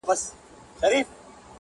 چا چې دکوم فنکار سندره آؤرېده ګاډي کښې